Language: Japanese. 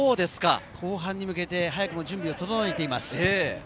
後半に向けて早くも準備を整えています。